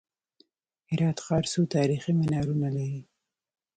هرات ښار څو تاریخي منارونه لري؟